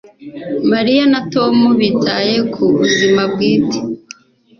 Mariya na Tom bitaye ku buzima bwite